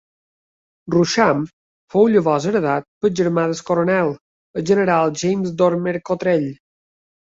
Rousham fou llavors heretat pel germà del coronel, el general James Dormer-Cottrell.